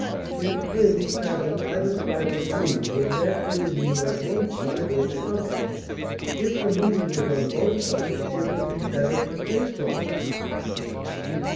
His friends sat on either side of the room would naturally mean on one side or the other; if the meaning is on both sides, it would be better to say so.